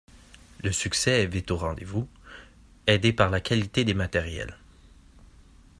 Le succès est vite au rendez-vous, aidé par la qualité des matériels.